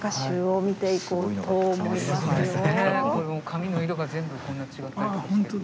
紙の色が全部こんな違ったりとかして。